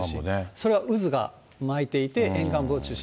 それは渦が巻いていて、沿岸部を中心。